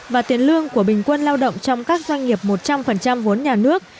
và tiền lương của bình quân lao động trong các doanh nghiệp một trăm linh vốn nhà nước